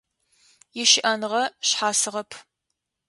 Ищыӏэныгъэ шъхьасыгъэп…